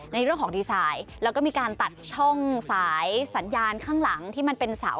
ในเรื่องของดีไซน์แล้วก็มีการตัดช่องสายสัญญาณข้างหลังที่มันเป็นเสา